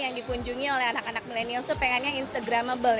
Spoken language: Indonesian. yang dikunjungi oleh anak anak milenial itu pengennya instagramable